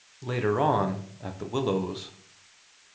Later on at The Willows. .